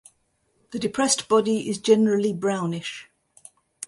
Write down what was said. The depressed body is generally brownish.